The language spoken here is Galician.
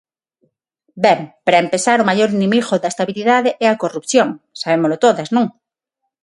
Ben, para empezar o maior inimigo da estabilidade é a corrupción, sabémolo todas, ¿non?